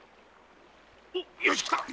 おっよし来た！